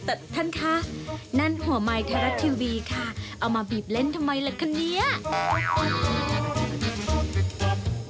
เออท่านค่ะนั่นหัวไม้ทาราชทิวบีค่ะเอามาบีบเล่นทำไมแหละคันเนี๊ยะ